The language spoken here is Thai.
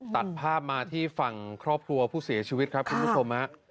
ตัดภาพมาที่ฝั่งครอบครัวผู้เสียชีวิตครับคุณผู้ชมฮะ